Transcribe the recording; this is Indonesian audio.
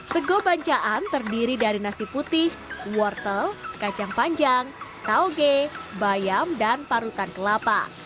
sego bancaan terdiri dari nasi putih wortel kacang panjang tauge bayam dan parutan kelapa